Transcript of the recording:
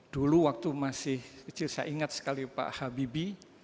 dulu waktu masih kecil saya ingat sekali pak habibi